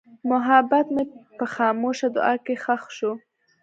محبت مې په خاموشه دعا کې ښخ شو.